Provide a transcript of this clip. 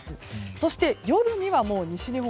そして、夜には西日本